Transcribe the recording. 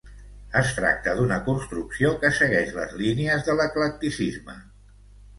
Es tracta d'una construcció que segueix les línies de l'eclecticisme.